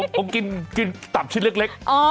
ผมกินตับชิ้นเล็ก